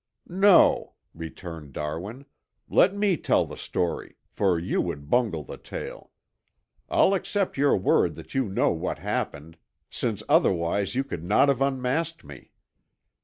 "No," returned Darwin, "let me tell the story, for you would bungle the tale. I'll accept your word that you know what happened, since otherwise you could not have unmasked me.